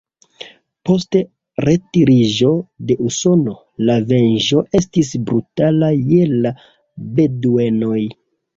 Post retiriĝo de Usono, la venĝo estis brutala je la beduenoj.